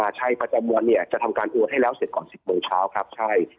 ใช่ประจำมวลเนี่ยจะทำการโอนให้แล้วเสร็จก่อน๑๐โมงเช้าครับใช่